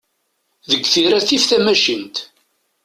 Deg tira tif tamacint.